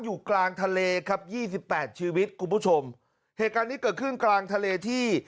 อยู่กลางทะเลครับยี่สิบแปดชีวิตคุณผู้ชมเหตุการณ์นี้เกิดขึ้นกลางทะเลที่